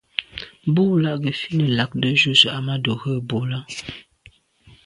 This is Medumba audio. Bú lá' gə́ fít nə̀ lɑgdə̌ jú zə̄ Ahmadou rə̂ bú.